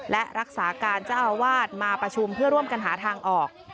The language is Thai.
และรักษาการเจ้าอาวาสมาประชุมเพื่อร่วมกันหาทางออก